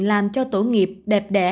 làm cho tổ nghiệp đẹp đẻ